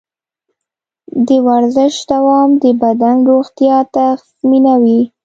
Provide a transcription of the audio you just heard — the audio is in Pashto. د ورزش دوام د بدن روغتیا تضمینوي.